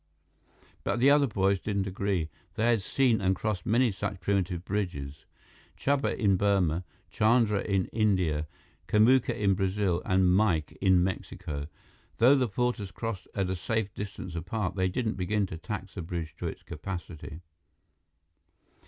But the other boys didn't agree. They had seen and crossed many such primitive bridges: Chuba in Burma, Chandra in India, Kamuka in Brazil, and Mike in Mexico. Though the porters crossed at a safe distance apart, they didn't begin to tax the bridge to its capacity.